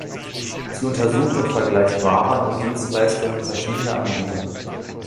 Sie untersucht und vergleicht Waren und Dienstleistungen verschiedener Anbieter.